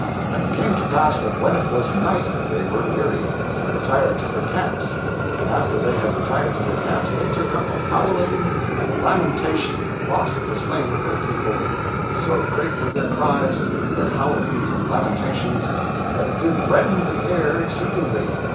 And it came to pass that when it was night they were weary, and retired to their camps; and after they had retired to their camps, they took up a howling and a lamentation for the loss of the slain of their people; and so great were their cries, their howlings and lamentations, that it did rend the air exceedingly.